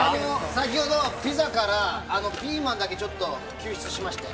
先ほどピザから、ピーマンだけちょっと救出しまして。